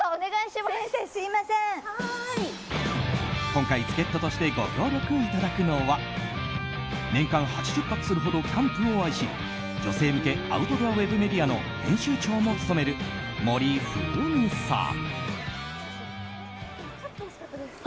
今回、助っ人としてご協力いただくのは年間８０泊するほどキャンプを愛し女性向けアウトドアウェブメディアの編集長も務める森風美さん。